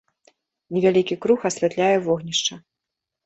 Невялікі круг асвятляе вогнішча.